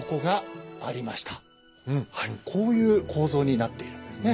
こういう構造になっているんですね。